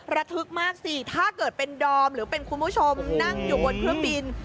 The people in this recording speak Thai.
ระทึกมากสิถ้าเกิดเป็นดอมหรือเป็นคุณผู้ชมนั่งอยู่บนเครื่องบิน